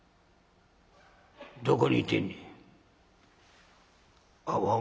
どこにいてんねん？